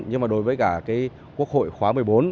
nhưng mà đối với cả cái quốc hội khóa một mươi bốn